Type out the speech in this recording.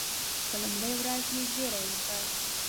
په لومړۍ ورځ یې زېری وکړ.